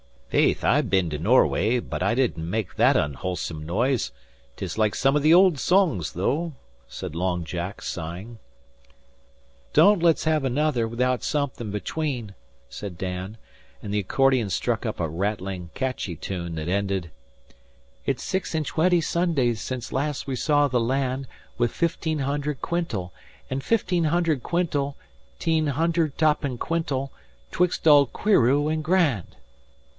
"Faith, I've been to Norway, but I didn't make that unwholesim noise. 'Tis like some of the old songs, though," said Long Jack, sighing. "Don't let's hev another 'thout somethin' between," said Dan; and the accordion struck up a rattling, catchy tune that ended: "It's six an' twenty Sundays sence las' we saw the land, With fifteen hunder quintal, An' fifteen hunder quintal, 'Teen hunder toppin' quintal, 'Twix' old 'Queereau an' Grand!"